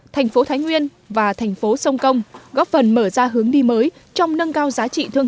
thành phố thái nguyên và thành phố sông công góp phần mở ra hướng đi mới trong nâng cao giá trị thương